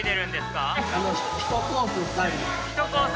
１コース